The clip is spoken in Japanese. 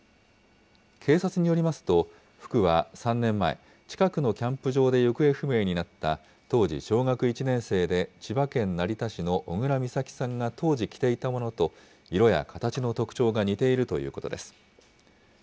警察によりますと、服は３年前、近くのキャンプ場で行方不明になった当時小学１年生で、千葉県成田市の小倉美咲さんが当時着ていたものと色や形の特徴が似ているということです。